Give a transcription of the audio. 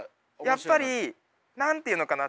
やっぱり何て言うのかな？